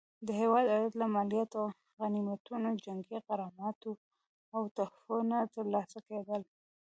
د هیواد عواید له مالیاتو، غنیمتونو، جنګي غراماتو او تحفو نه ترلاسه کېدل.